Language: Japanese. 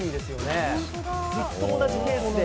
ずっと同じペースで。